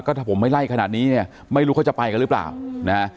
ถ้าผมไม่ไล่ขนาดนี้เนี่ยไม่รู้เขาจะไปกันหรือเปล่านะฮะ